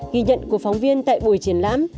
ghi nhận của phóng viên tại buổi triển lãm